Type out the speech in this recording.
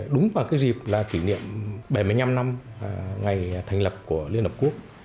đúng vào dịp kỷ niệm bảy mươi năm năm ngày thành lập của liên hợp quốc